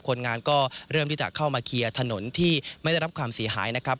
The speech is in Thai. คนงานก็เริ่มที่จะเข้ามาเคลียร์ถนนที่ไม่ได้รับความเสียหายนะครับ